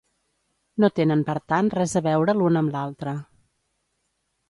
No tenen per tant res a veure l'una amb l'altra.